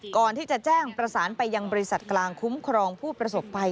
ก่อนที่จะแจ้งประสานไปยังบริษัทกลางคุ้มครองผู้ประสบภัย